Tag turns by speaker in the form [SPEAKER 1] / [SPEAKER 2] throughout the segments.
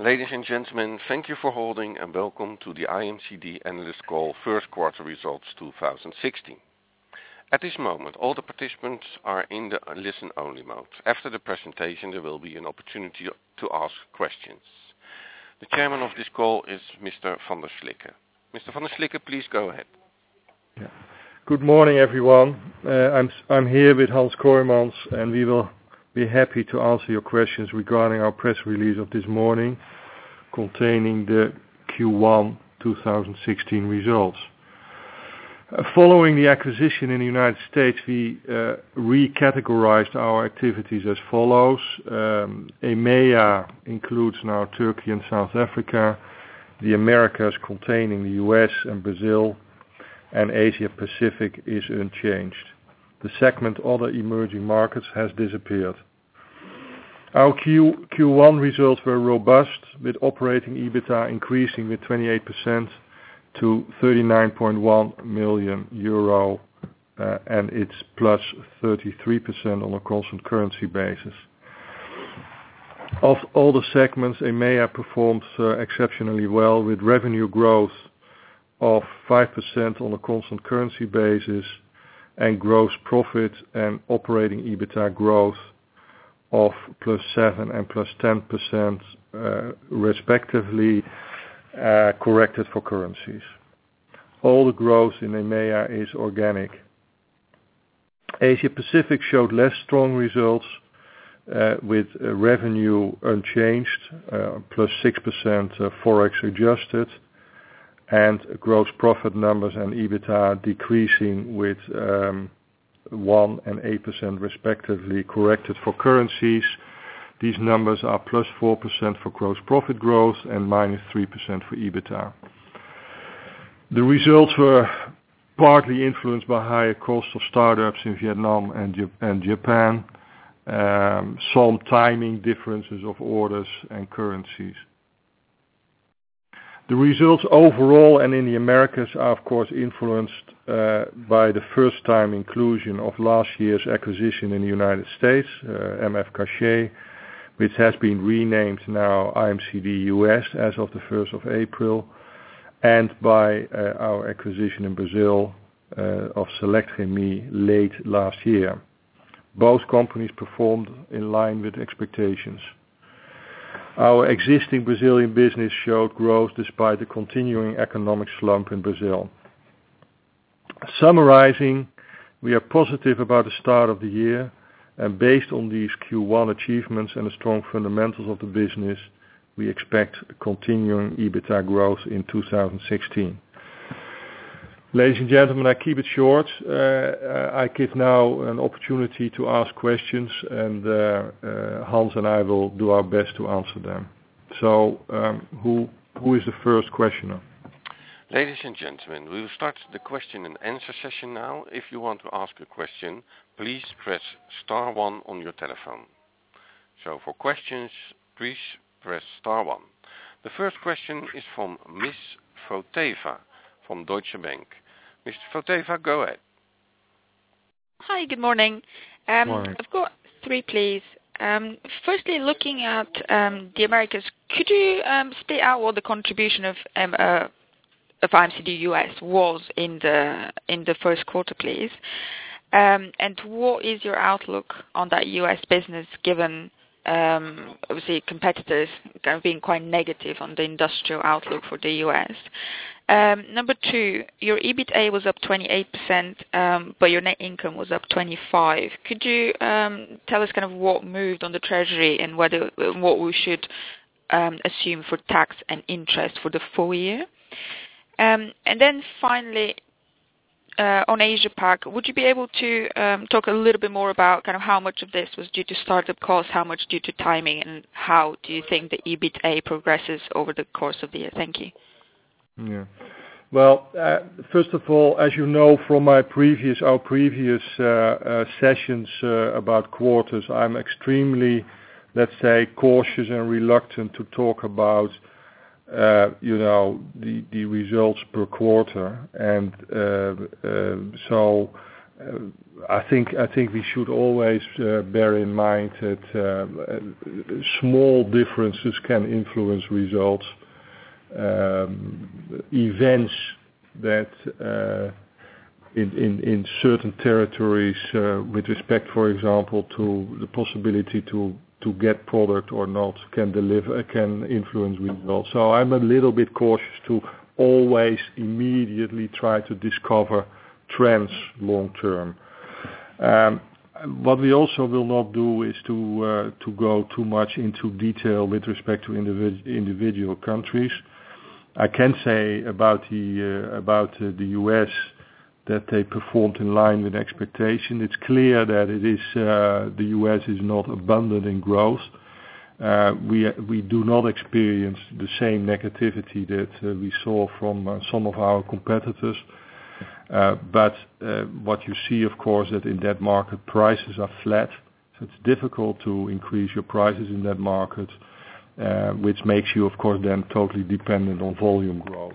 [SPEAKER 1] Ladies and gentlemen, thank you for holding and welcome to the IMCD Analyst Call First Quarter Results 2016. At this moment, all the participants are in the listen only mode. After the presentation, there will be an opportunity to ask questions. The chairman of this call is Mr. Van der Slikke. Mr. Van der Slikke, please go ahead.
[SPEAKER 2] Good morning, everyone. I'm here with Hans Kooijmans, and we will be happy to answer your questions regarding our press release of this morning containing the Q1 2016 results. Following the acquisition in the United States, we recategorized our activities as follows. EMEA includes now Turkey and South Africa, the Americas containing the U.S. and Brazil, and Asia Pacific is unchanged. The segment other emerging markets has disappeared. Our Q1 results were robust with operating EBITDA increasing with 28% to 39.1 million euro, and it's +33% on a constant currency basis. Of all the segments, EMEA performed exceptionally well with revenue growth of 5% on a constant currency basis and gross profit and operating EBITDA growth of +7% and +10% respectively, corrected for currencies. All the growth in EMEA is organic. Asia Pacific showed less strong results, with revenue unchanged, +6% Forex adjusted and gross profit numbers and EBITDA decreasing with 1% and 8% respectively, corrected for currencies. These numbers are +4% for gross profit growth and -3% for EBITDA. The results were partly influenced by higher cost of startups in Vietnam and Japan. Some timing differences of orders and currencies. The results overall and in the Americas are of course influenced by the first time inclusion of last year's acquisition in the United States, M.F. Cachat, which has been renamed now IMCD US as of the 1st of April and by our acquisition in Brazil of Selectchemie late last year. Both companies performed in line with expectations. Our existing Brazilian business showed growth despite the continuing economic slump in Brazil. Summarizing, we are positive about the start of the year. Based on these Q1 achievements and the strong fundamentals of the business, we expect continuing EBITDA growth in 2016. Ladies and gentlemen, I keep it short. I give now an opportunity to ask questions. Hans and I will do our best to answer them. Who is the first questioner?
[SPEAKER 1] Ladies and gentlemen, we will start the question and answer session now. If you want to ask a question, please press star one on your telephone. For questions, please press star one. The first question is from Ms. Vaste from Deutsche Bank. Ms. Vaste, go ahead.
[SPEAKER 3] Hi. Good morning.
[SPEAKER 2] Morning.
[SPEAKER 3] I've got three, please. Firstly, looking at the Americas, could you split out what the contribution of IMCD US was in the first quarter, please? What is your outlook on that U.S. business given, obviously competitors have been quite negative on the industrial outlook for the U.S. Number 2, your EBITA was up 28%, but your net income was up 25%. Could you tell us what moved on the treasury and what we should assume for tax and interest for the full year? Finally, on Asia Pac, would you be able to talk a little bit more about how much of this was due to start-up costs, how much due to timing, and how do you think the EBITA progresses over the course of the year? Thank you.
[SPEAKER 2] Yeah. Well, first of all, as you know from our previous sessions about quarters, I'm extremely, let's say, cautious and reluctant to talk about the results per quarter. I think we should always bear in mind that small differences can influence results. Events that, in certain territories with respect, for example, to the possibility to get product or not can influence results. I'm a little bit cautious to always immediately try to discover trends long-term. What we also will not do is to go too much into detail with respect to individual countries. I can say about the U.S. that they performed in line with expectation. It's clear that the U.S. is not abundant in growth. We do not experience the same negativity that we saw from some of our competitors. What you see, of course, that in that market, prices are flat. It's difficult to increase your prices in that market, which makes you, of course, then totally dependent on volume growth.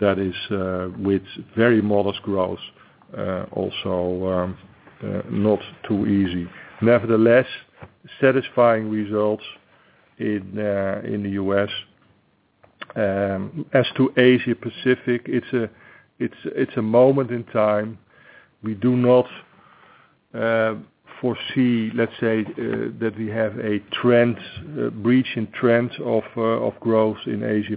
[SPEAKER 2] That is with very modest growth, also not too easy. Nevertheless, satisfying results in the U.S. As to Asia Pacific, it's a moment in time. We do not foresee, let's say, that we have a breach in trends of growth in Asia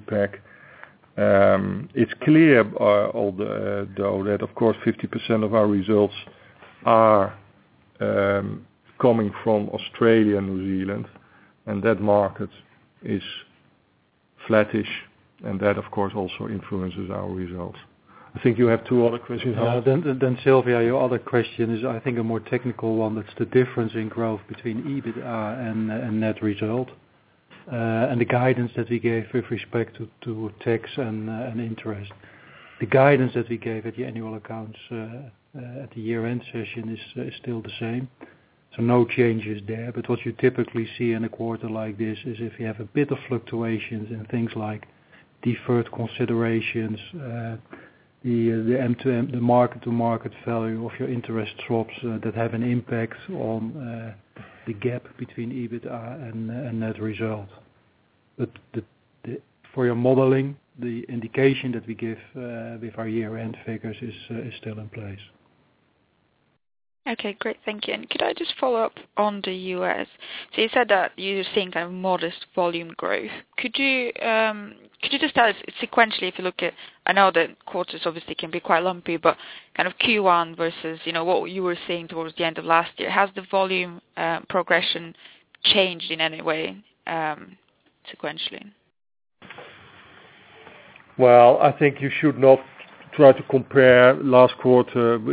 [SPEAKER 2] Pac. It's clear, although that, of course, 50% of our results are coming from Australia and New Zealand, and that market is flattish, and that, of course, also influences our results. I think you have two other questions.
[SPEAKER 3] Yeah.
[SPEAKER 2] Sylvia, your other question is, I think, a more technical one. That's the difference in growth between EBITDA and net result. The guidance that we gave with respect to tax and interest. The guidance that we gave at the annual accounts at the year-end session is still the same, no changes there. What you typically see in a quarter like this is if you have a bit of fluctuations in things like deferred considerations, the market-to-market value of your interest swaps that have an impact on the gap between EBITDA and net result. For your modeling, the indication that we give with our year-end figures is still in place.
[SPEAKER 3] Okay, great. Thank you. Could I just follow up on the U.S.? You said that you're seeing a modest volume growth. Could you just tell us sequentially if you look at, I know that quarters obviously can be quite lumpy, but Q1 versus what you were seeing towards the end of last year. Has the volume progression changed in any way sequentially?
[SPEAKER 2] Well, I think you should not try to compare last quarter of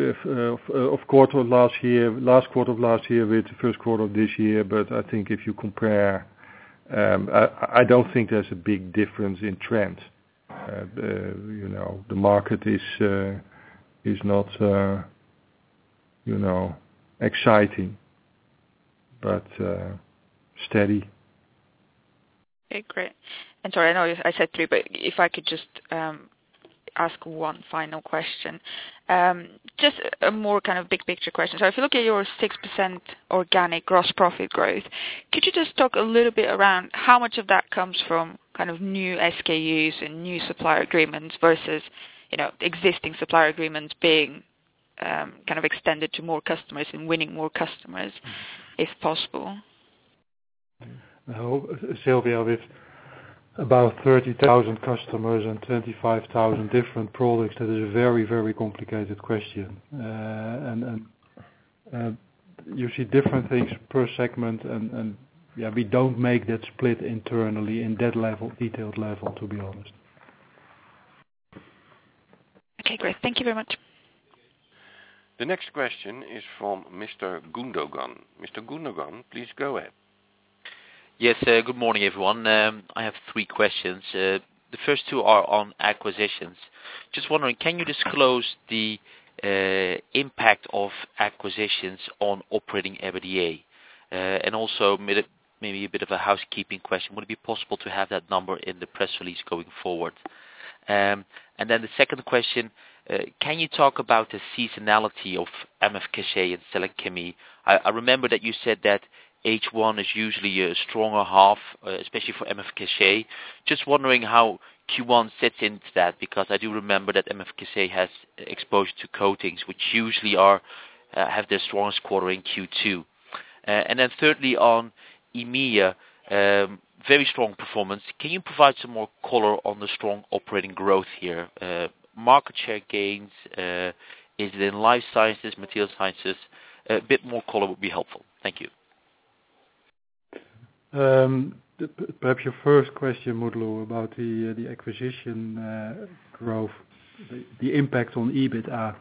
[SPEAKER 2] last year, with the first quarter of this year. I think if you compare, I don't think there's a big difference in trend. The market is not exciting, but steady.
[SPEAKER 3] Okay, great. Sorry, I know I said 3, but if I could just ask 1 final question. Just a more big picture question. If you look at your 6% organic gross profit growth, could you just talk a little bit around how much of that comes from new SKUs and new supplier agreements versus existing supplier agreements being extended to more customers and winning more customers, if possible?
[SPEAKER 2] Sylvia, with about 30,000 customers and 25,000 different products, that is a very, very complicated question. You see different things per segment, and we don't make that split internally in that detailed level, to be honest.
[SPEAKER 3] Okay, great. Thank you very much.
[SPEAKER 1] The next question is from Mr. Gundogan. Mr. Gundogan, please go ahead.
[SPEAKER 4] Yes. Good morning, everyone. I have three questions. The first two are on acquisitions. Just wondering, can you disclose the impact of acquisitions on operating EBITDA? Also maybe a bit of a housekeeping question. Would it be possible to have that number in the press release going forward? The second question, can you talk about the seasonality of M.F. Cachat and Selectchemie? I remember that you said that H1 is usually a stronger half, especially for M.F. Cachat. Just wondering how Q1 fits into that, because I do remember that M.F. Cachat has exposure to coatings, which usually have their strongest quarter in Q2. Thirdly on EMEA, very strong performance. Can you provide some more color on the strong operating growth here? Market share gains, is it in life sciences, material sciences? A bit more color would be helpful. Thank you.
[SPEAKER 2] Perhaps your first question, Mutlu, about the acquisition growth, the impact on EBITDA.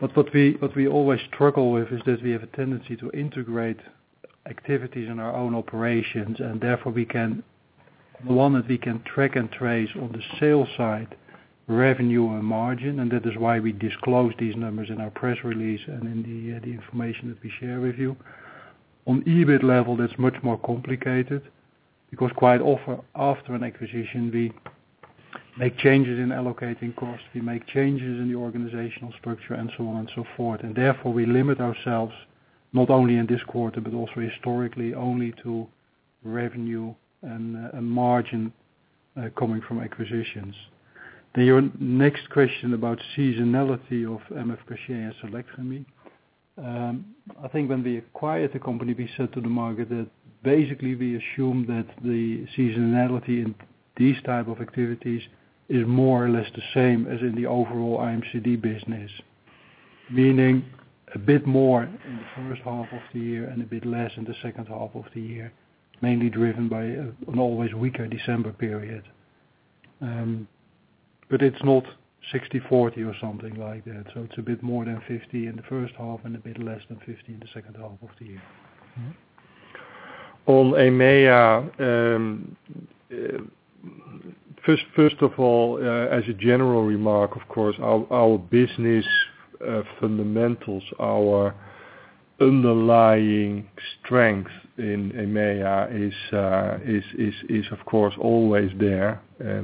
[SPEAKER 2] What we always struggle with is that we have a tendency to integrate activities in our own operations, and therefore, one that we can track and trace on the sales side, revenue and margin, and that is why we disclose these numbers in our press release and in the information that we share with you. On EBIT level, that's much more complicated because quite often after an acquisition, we make changes in allocating costs. We make changes in the organizational structure and so on and so forth. Therefore, we limit ourselves, not only in this quarter but also historically, only to revenue and margin coming from acquisitions. Your next question about seasonality of M.F. Cachat and Selectchemie. I think when we acquired the company, we said to the market that basically, we assume that the seasonality in these type of activities is more or less the same as in the overall IMCD business. Meaning a bit more in the first half of the year and a bit less in the second half of the year, mainly driven by an always weaker December period. It's not 60/40 or something like that. It's a bit more than 50 in the first half and a bit less than 50 in the second half of the year. On EMEA, first of all, as a general remark, of course, our business fundamentals, our underlying strength in EMEA is, of course, always there.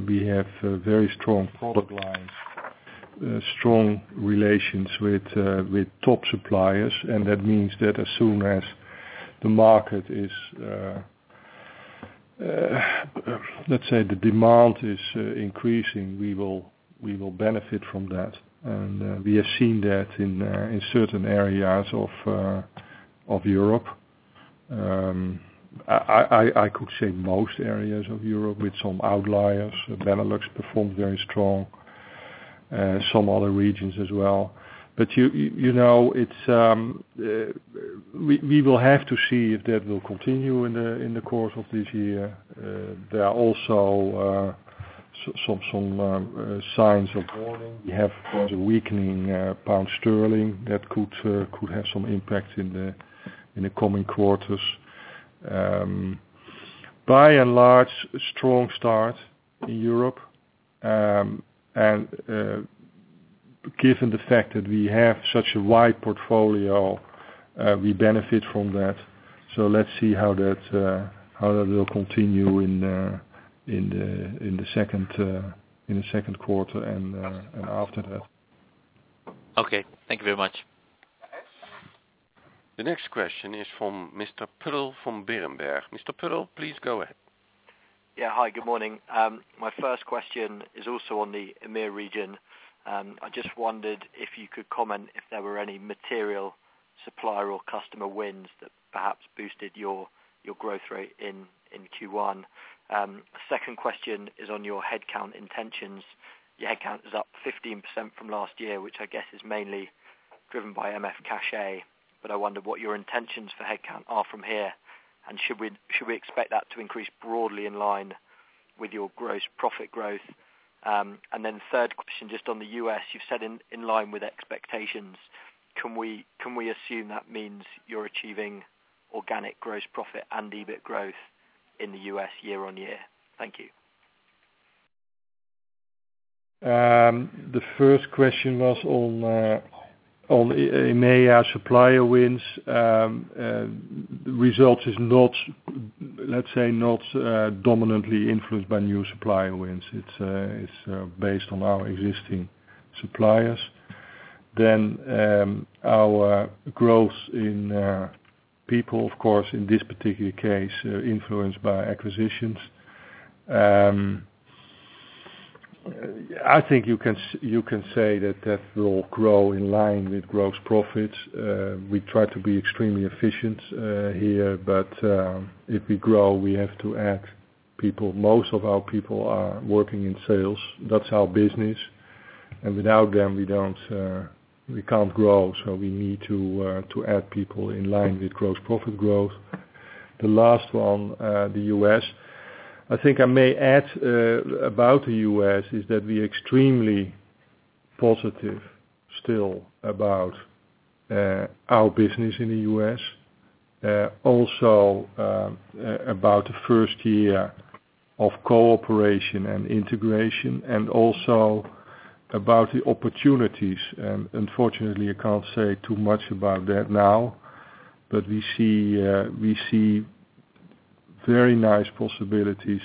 [SPEAKER 2] We have very strong product lines, strong relations with top suppliers, and that means that as soon as the market is, let's say, the demand is increasing, we will benefit from that. We have seen that in certain areas of Europe. I could say most areas of Europe with some outliers. The Benelux performed very strong. Some other regions as well. We will have to see if that will continue in the course of this year. There are also some signs of warning. We have the weakening pound sterling that could have some impact in the coming quarters. By and large, a strong start in Europe. Given the fact that we have such a wide portfolio, we benefit from that. Let's see how that will continue in the second quarter and after that.
[SPEAKER 4] Okay. Thank you very much.
[SPEAKER 1] The next question is from Mr. Purkiss from Berenberg. Mr. Purkiss, please go ahead.
[SPEAKER 5] Yeah. Hi, good morning. My first question is also on the EMEA region. I just wondered if you could comment if there were any material supplier or customer wins that perhaps boosted your growth rate in Q1. Second question is on your headcount intentions. Your headcount is up 15% from last year, which I guess is mainly driven by M.F. Cachat, but I wonder what your intentions for headcount are from here, and should we expect that to increase broadly in line with your gross profit growth? Third question, just on the U.S., you've said in line with expectations. Can we assume that means you're achieving organic gross profit and EBIT growth in the U.S. year-over-year? Thank you.
[SPEAKER 2] The first question was on EMEA supplier wins. Result is, let's say, not dominantly influenced by new supplier wins. It's based on our existing suppliers. Our growth in people, of course, in this particular case, influenced by acquisitions. I think you can say that will grow in line with gross profits. We try to be extremely efficient here, but if we grow, we have to add people. Most of our people are working in sales. That's our business. Without them, we can't grow, so we need to add people in line with gross profit growth. The last one, the U.S. I think I may add about the U.S. is that we extremely positive still about our business in the U.S. Also, about the first year of cooperation and integration and also about the opportunities. Unfortunately, I can't say too much about that now, but we see very nice possibilities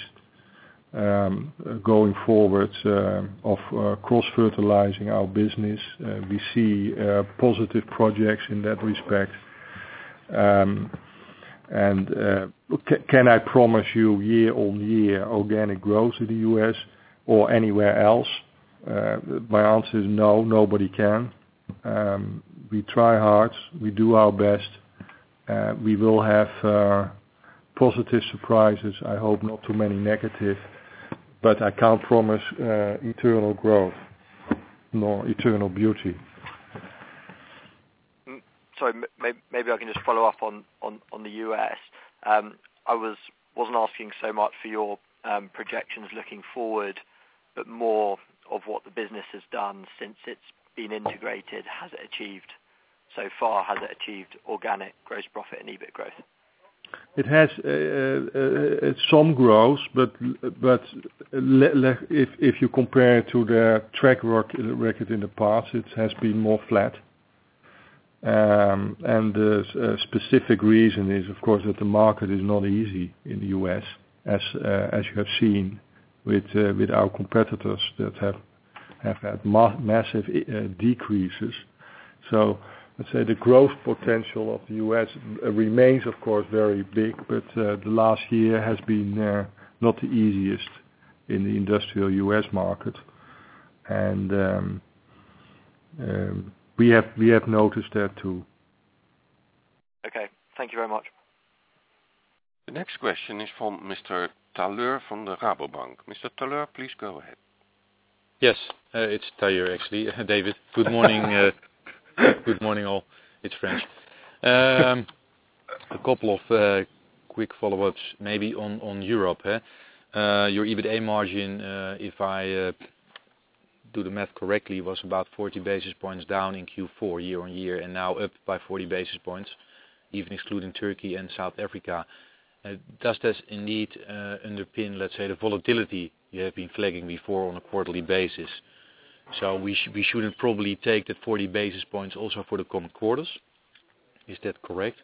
[SPEAKER 2] going forward of cross-fertilizing our business. We see positive projects in that respect. Can I promise you year-over-year organic growth in the U.S. or anywhere else? My answer is no. Nobody can. We try hard. We do our best. We will have positive surprises. I hope not too many negative, but I can't promise eternal growth nor eternal beauty.
[SPEAKER 5] Sorry, maybe I can just follow up on the U.S. I wasn't asking so much for your projections looking forward, but more of what the business has done since it's been integrated. So far, has it achieved organic gross profit and EBIT growth?
[SPEAKER 2] It has some growth, but if you compare it to the track record in the past, it has been more flat. The specific reason is, of course, that the market is not easy in the U.S., as you have seen with our competitors that have had massive decreases. Let's say the growth potential of the U.S. remains, of course, very big, but the last year has been not the easiest in the industrial U.S. market. We have noticed that, too.
[SPEAKER 5] Okay. Thank you very much.
[SPEAKER 1] The next question is from Mr. Tailleur from the Rabobank. Mr. Tailleur, please go ahead.
[SPEAKER 6] Yes. It's Tailleur, actually. David, good morning. Good morning, all. It's French. A couple of quick follow-ups, maybe on Europe. Your EBITDA margin, if I do the math correctly, was about 40 basis points down in Q4 year-on-year and now up by 40 basis points, even excluding Turkey and South Africa. Does this indeed underpin, let's say, the volatility you have been flagging before on a quarterly basis? We shouldn't probably take that 40 basis points also for the coming quarters. Is that correct?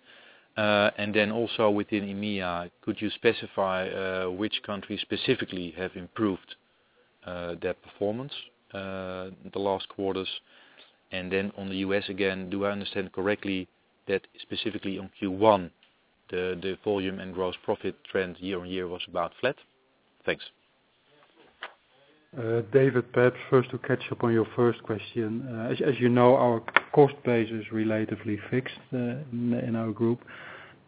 [SPEAKER 6] Within EMEA, could you specify which countries specifically have improved their performance, the last quarters? On the U.S. again, do I understand correctly that specifically on Q1, the volume and gross profit trend year-on-year was about flat? Thanks.
[SPEAKER 2] David, perhaps first to catch up on your first question. As you know, our cost base is relatively fixed in our group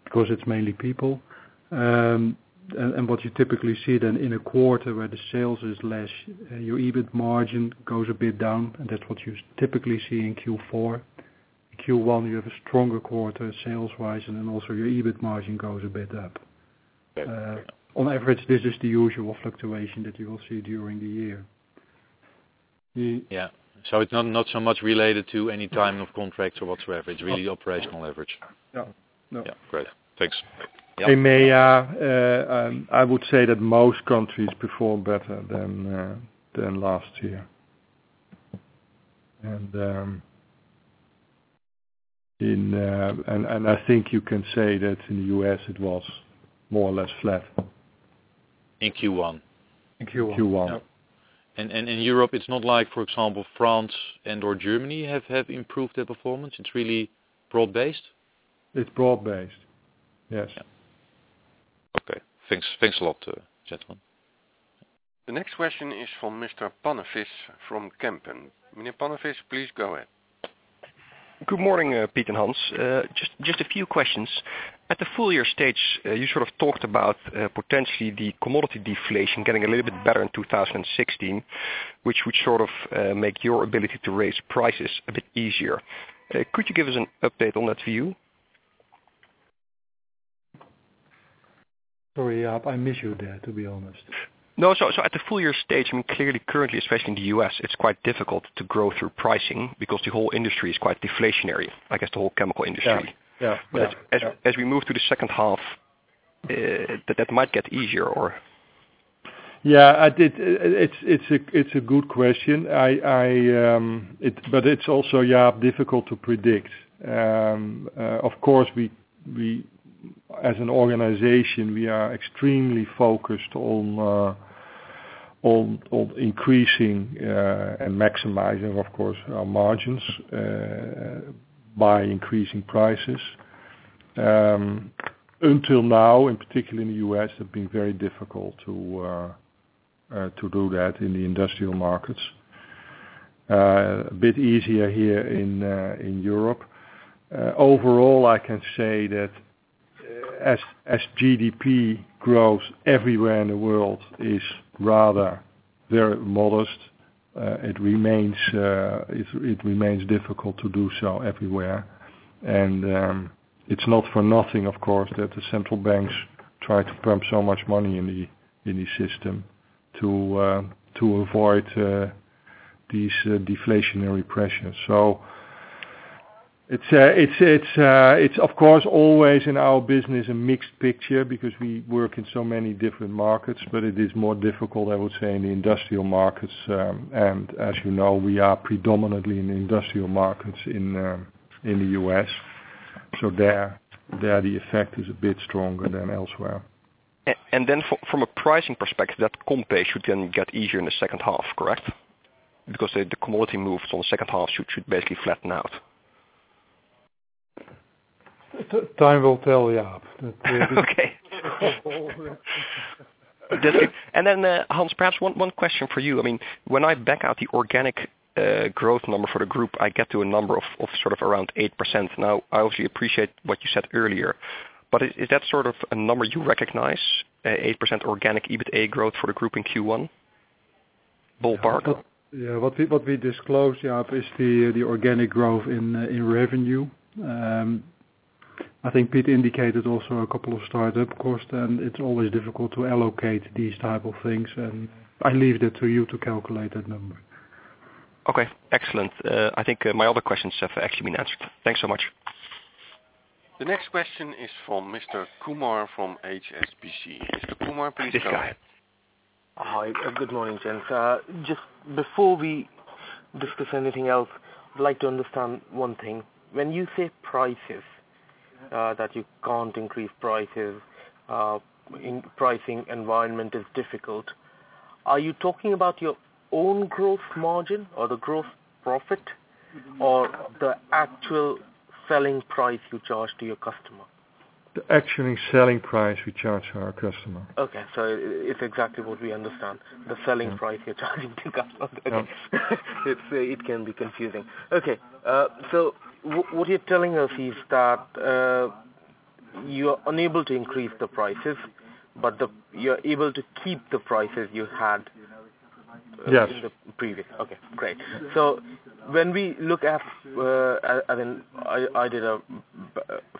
[SPEAKER 2] because it's mainly people. What you typically see then in a quarter where the sales is less, your EBIT margin goes a bit down, and that's what you typically see in Q4. Q1, you have a stronger quarter sales-wise, also your EBIT margin goes a bit up.
[SPEAKER 7] Okay.
[SPEAKER 2] On average, this is the usual fluctuation that you will see during the year.
[SPEAKER 6] It's not so much related to any time of contract or whatsoever. It's really operational leverage.
[SPEAKER 2] No.
[SPEAKER 7] Yeah. Great. Thanks.
[SPEAKER 2] EMEA, I would say that most countries perform better than last year. I think you can say that in the U.S., it was more or less flat.
[SPEAKER 6] In Q1?
[SPEAKER 2] In Q1.
[SPEAKER 7] Q1.
[SPEAKER 2] Yep.
[SPEAKER 6] In Europe, it's not like, for example, France and/or Germany have improved their performance. It's really broad-based?
[SPEAKER 2] It's broad-based. Yes.
[SPEAKER 7] Yeah. Okay. Thanks a lot, gentlemen.
[SPEAKER 1] The next question is from Mr. Pannevis from Kempen. Mr. Pannevis, please go ahead.
[SPEAKER 8] Good morning, Piet and Hans. Just a few questions. At the full year stage, you sort of talked about potentially the commodity deflation getting a little bit better in 2016, which would sort of make your ability to raise prices a bit easier. Could you give us an update on that view?
[SPEAKER 2] Sorry, Jaap, I missed you there, to be honest.
[SPEAKER 8] No. At the full year stage, clearly currently, especially in the U.S., it's quite difficult to grow through pricing because the whole industry is quite deflationary. I guess the whole chemical industry.
[SPEAKER 2] Yeah.
[SPEAKER 8] As we move to the second half, that might get easier.
[SPEAKER 2] Yeah. It's a good question. It's also, Jaap, difficult to predict. Of course, as an organization, we are extremely focused on increasing and maximizing, of course, our margins by increasing prices. Until now, and particularly in the U.S., it has been very difficult to do that in the industrial markets. A bit easier here in Europe. Overall, I can say that as GDP grows everywhere in the world is rather very modest. It remains difficult to do so everywhere. It's not for nothing, of course, that the central banks try to pump so much money in the system to avoid these deflationary pressures. It's of course, always in our business a mixed picture because we work in so many different markets, but it is more difficult, I would say, in the industrial markets. As you know, we are predominantly in the industrial markets in the U.S. There, the effect is a bit stronger than elsewhere.
[SPEAKER 8] From a pricing perspective, that compare should then get easier in the second half, correct? Because the commodity moves on the second half should basically flatten out.
[SPEAKER 2] Time will tell, Jaap.
[SPEAKER 8] Okay. Hans, perhaps one question for you. When I back out the organic growth number for the group, I get to a number of sort of around 8%. I obviously appreciate what you said earlier, Is that sort of a number you recognize, 8% organic EBITA growth for the group in Q1? Ballpark.
[SPEAKER 9] What we disclose, Jaap, is the organic growth in revenue. I think Piet indicated also a couple of start-up costs, It's always difficult to allocate these type of things, I leave that to you to calculate that number.
[SPEAKER 8] Okay, excellent. I think my other questions have actually been answered. Thanks so much.
[SPEAKER 1] The next question is from Mr. Kumar from HSBC. Mr. Kumar, please go ahead.
[SPEAKER 10] Hi. Good morning, gents. Just before we discuss anything else, I'd like to understand one thing. When you say prices, that you can't increase prices, pricing environment is difficult. Are you talking about your own gross margin or the gross profit, or the actual selling price you charge to your customer?
[SPEAKER 2] The actual selling price we charge to our customer.
[SPEAKER 10] Okay. It's exactly what we understand. The selling price you're charging to customers.
[SPEAKER 2] Yeah.
[SPEAKER 10] It can be confusing. Okay. What you're telling us is that, you're unable to increase the prices, but you're able to keep the prices you had.
[SPEAKER 2] Yes
[SPEAKER 10] in the previous. Okay, great. When we look at, I did a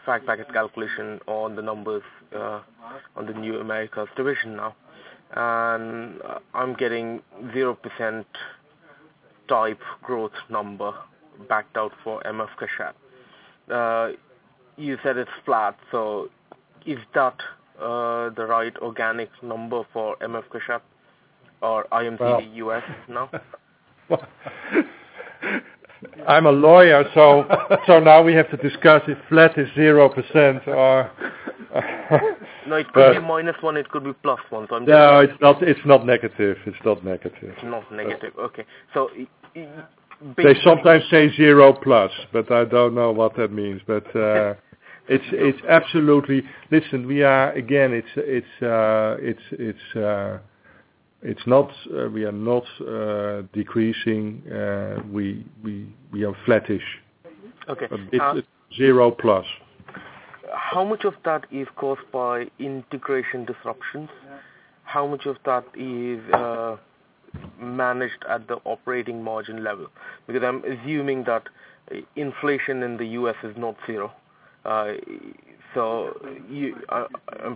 [SPEAKER 10] fact package calculation on the numbers, on the new Americas division now, and I'm getting 0% type growth number backed out for M.F. Cachat. You said it's flat. Is that the right organic number for M.F. Cachat or IMCD US now?
[SPEAKER 2] I'm a lawyer, now we have to discuss if flat is 0% or
[SPEAKER 10] No, it could be minus one, it could be plus one.
[SPEAKER 2] No, it's not negative.
[SPEAKER 10] It's not negative. Okay.
[SPEAKER 2] They sometimes say zero plus, but I don't know what that means. Listen, we are not decreasing. We are flattish.
[SPEAKER 10] Okay.
[SPEAKER 2] This is zero plus.
[SPEAKER 10] How much of that is caused by integration disruptions? How much of that is managed at the operating margin level? I'm assuming that inflation in the U.S. is not zero. I'm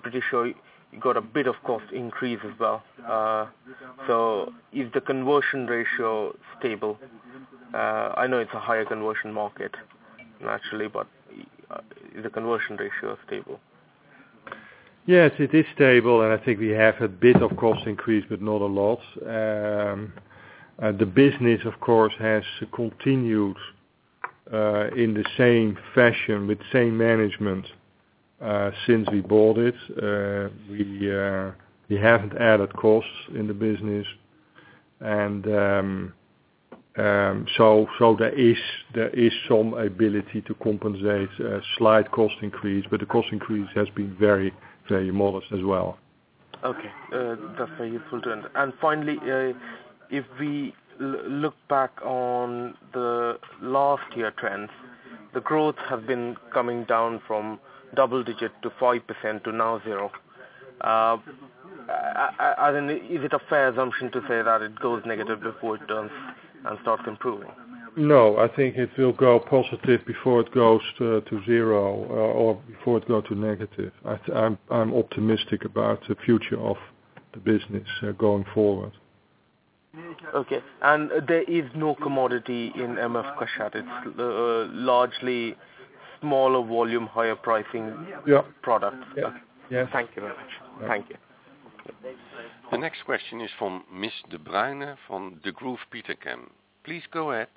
[SPEAKER 10] pretty sure you got a bit of cost increase as well. Is the conversion ratio stable? I know it's a higher conversion market, naturally, but is the conversion ratio stable?
[SPEAKER 2] Yes, it is stable. I think we have a bit of cost increase, not a lot. The business, of course, has continued in the same fashion with the same management since we bought it. We haven't added costs in the business, there is some ability to compensate a slight cost increase, the cost increase has been very modest as well.
[SPEAKER 10] Okay. That's very useful to hear. Finally, if we look back on the last year trends, the growth has been coming down from double digit to 5% to now zero. Is it a fair assumption to say that it goes negative before it turns and starts improving?
[SPEAKER 2] No, I think it will go positive before it goes to zero or before it goes to negative. I'm optimistic about the future of the business going forward.
[SPEAKER 10] Okay. There is no commodity in M.F. Cachat. It's largely smaller volume, higher pricing product.
[SPEAKER 2] Yes.
[SPEAKER 10] Thank you very much.
[SPEAKER 1] The next question is from Miss De Bruyne from Degroof Petercam. Please go ahead.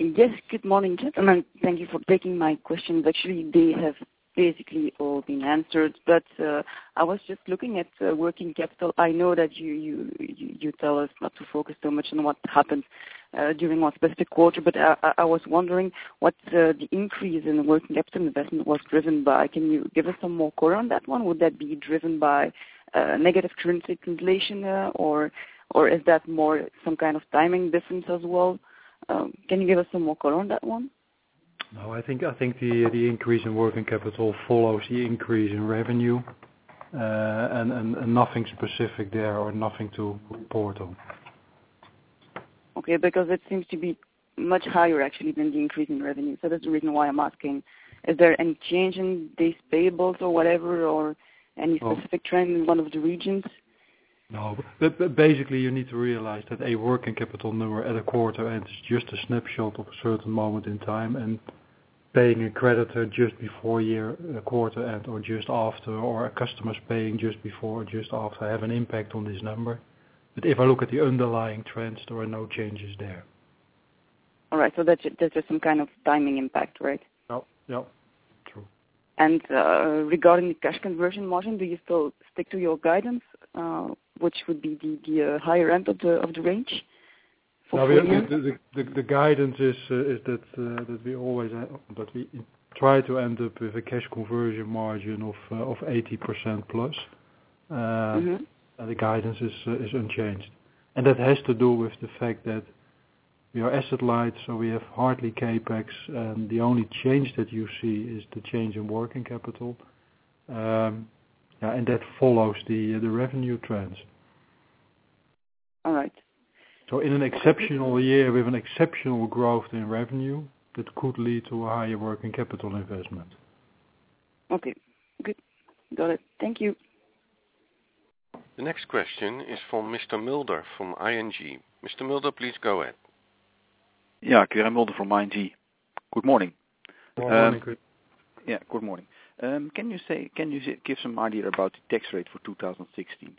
[SPEAKER 11] Yes, good morning, gentlemen. Thank you for taking my questions. Actually, they have basically all been answered, but I was just looking at working capital. I know that you tell us not to focus so much on what happened during one specific quarter, but I was wondering what the increase in working capital investment was driven by. Can you give us some more color on that one? Would that be driven by negative currency translation, or is that more some kind of timing difference as well? Can you give us some more color on that one?
[SPEAKER 2] No, I think the increase in working capital follows the increase in revenue, and nothing specific there or nothing to report on.
[SPEAKER 11] Okay, because it seems to be much higher, actually, than the increase in revenue. That's the reason why I'm asking. Is there any change in these payables or whatever, or any specific trend in one of the regions?
[SPEAKER 2] No. Basically, you need to realize that a working capital number at a quarter-end is just a snapshot of a certain moment in time, and paying a creditor just before a quarter-end, or just after, or a customer's paying just before or just after, have an impact on this number. If I look at the underlying trends, there are no changes there.
[SPEAKER 11] All right. That's just some kind of timing impact, right?
[SPEAKER 2] Yep. True.
[SPEAKER 11] Regarding the cash conversion margin, do you still stick to your guidance, which would be the higher end of the range for PM?
[SPEAKER 2] The guidance is that we always try to end up with a cash conversion margin of 80% plus. The guidance is unchanged. That has to do with the fact that we are asset light, so we have hardly CapEx. The only change that you see is the change in working capital. Yeah, and that follows the revenue trends.
[SPEAKER 11] All right.
[SPEAKER 2] In an exceptional year, we have an exceptional growth in revenue that could lead to a higher working capital investment.
[SPEAKER 11] Okay, good. Got it. Thank you.
[SPEAKER 1] The next question is from Mr. Mulder from ING. Mr. Mulder, please go ahead.
[SPEAKER 12] Yeah. Quirijn Mulder from ING. Good morning.
[SPEAKER 2] Good morning.
[SPEAKER 12] Yeah, good morning. Can you give some idea about the tax rate for 2016?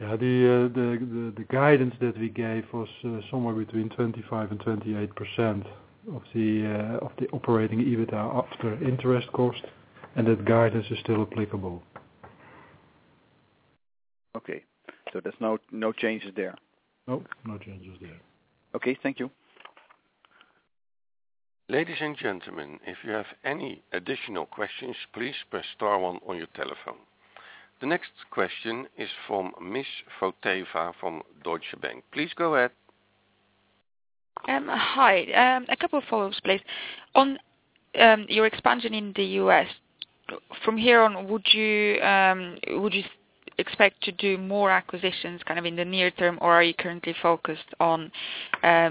[SPEAKER 2] Yeah. The guidance that we gave was somewhere between 25% and 28% of the operating EBITDA after interest cost, and that guidance is still applicable.
[SPEAKER 12] Okay. There's no changes there?
[SPEAKER 2] No. No changes there.
[SPEAKER 12] Okay. Thank you.
[SPEAKER 1] Ladies and gentlemen, if you have any additional questions, please press star one on your telephone. The next question is from Ms. Foteva from Deutsche Bank. Please go ahead.
[SPEAKER 13] Hi. A couple of follows, please. On your expansion in the US, from here on, would you expect to do more acquisitions in the near term, or are you currently focused on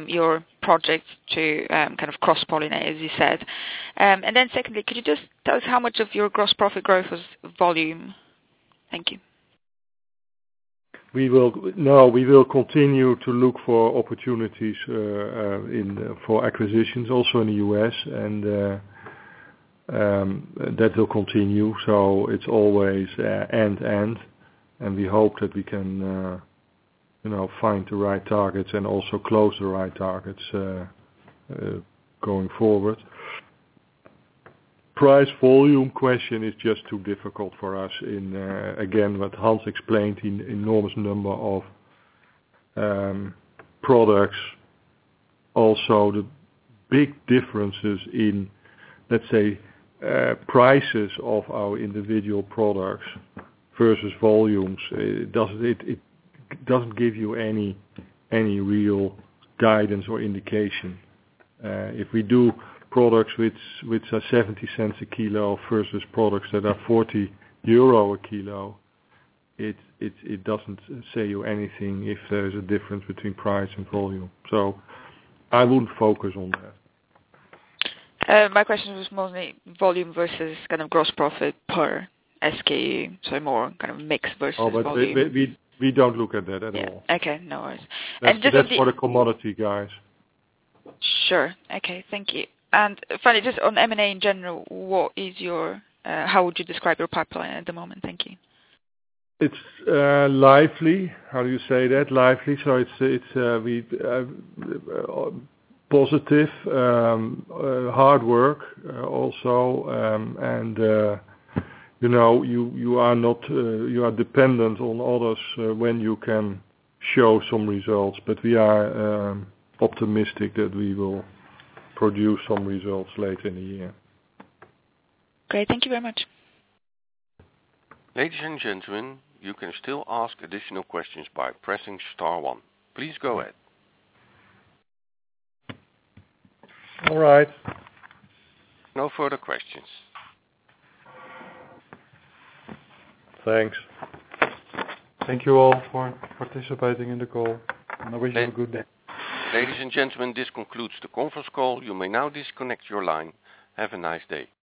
[SPEAKER 13] your projects to cross-pollinate, as you said? Secondly, could you just tell us how much of your gross profit growth was volume? Thank you.
[SPEAKER 2] No, we will continue to look for opportunities for acquisitions also in the US and that will continue. It's always and. We hope that we can find the right targets and also close the right targets going forward. Price volume question is just too difficult for us in, again, what Hans explained, enormous number of products. Also, the big differences in, let's say, prices of our individual products versus volumes. It doesn't give you any real guidance or indication. If we do products which are 0.70 a kilo versus products that are 40 euro a kilo, it doesn't say you anything if there is a difference between price and volume. I wouldn't focus on that.
[SPEAKER 3] My question was more volume versus kind of gross profit per SKU. More kind of mix versus volume.
[SPEAKER 2] We don't look at that at all.
[SPEAKER 3] Yeah. Okay. No worries.
[SPEAKER 2] That's for the commodity guys.
[SPEAKER 3] Sure. Okay. Thank you. Finally, just on M&A in general, how would you describe your pipeline at the moment? Thank you.
[SPEAKER 2] It's lively. How do you say that? Lively. It's positive, hard work also. You are dependent on others when you can show some results. We are optimistic that we will produce some results later in the year.
[SPEAKER 3] Okay. Thank you very much.
[SPEAKER 1] Ladies and gentlemen, you can still ask additional questions by pressing star one. Please go ahead.
[SPEAKER 2] All right.
[SPEAKER 1] No further questions.
[SPEAKER 2] Thanks. Thank you all for participating in the call. I wish you a good day.
[SPEAKER 1] Ladies and gentlemen, this concludes the conference call. You may now disconnect your line. Have a nice day.